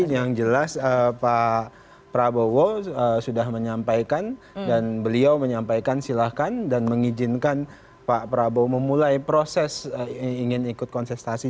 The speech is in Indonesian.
yang jelas pak prabowo sudah menyampaikan dan beliau menyampaikan silahkan dan mengizinkan pak prabowo memulai proses ingin ikut kontestasi